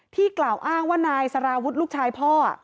กล่าวอ้างว่านายสารวุฒิลูกชายพ่อ